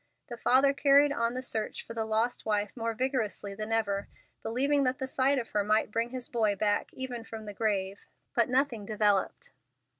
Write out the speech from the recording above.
The father carried on the search for the lost wife more vigorously than ever, believing that the sight of her might bring his boy back even from the grave; but nothing developed.